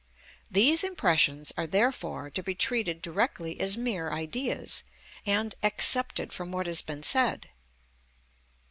These impressions are, therefore, to be treated directly as mere ideas, and excepted from what has been said.